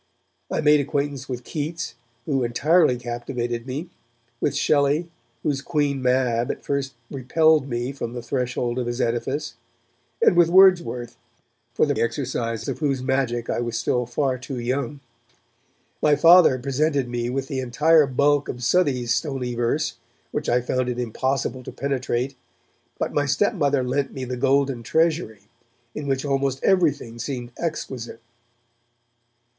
I made acquaintance with Keats, who entirely captivated me; with Shelley, whose 'Queen Mab' at first repelled me from the threshold of his edifice; and with Wordsworth, for the exercise of whose magic I was still far too young. My Father presented me with the entire bulk of Southey's stony verse, which I found it impossible to penetrate, but my stepmother lent me The Golden Treasury, in which almost everything seemed exquisite.